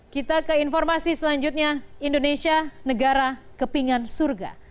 kita ke informasi selanjutnya indonesia negara kepingan surga